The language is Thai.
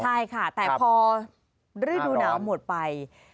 ใช่ค่ะแต่พอฤดูหนาวหมดไป